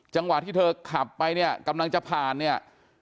จังหวะที่เธอขับไปเนี่ยกำลังจะผ่านเนี่ย